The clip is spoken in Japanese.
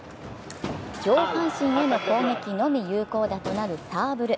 上半身への攻撃のみ有効打となるサーブル。